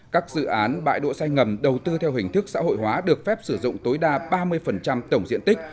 các dự án bãi đỗ xe ngầm đầu tư theo hình thức xã hội hóa được phép sử dụng tối đa ba mươi tổng diện tích